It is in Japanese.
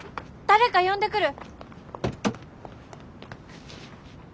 誰か呼んでくる！